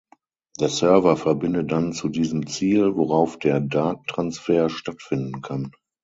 Der Server verbindet dann zu diesem Ziel, worauf der Datentransfer stattfinden kann.